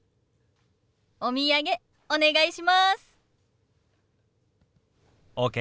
お土産お願いします。ＯＫ。